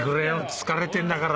疲れてんだから。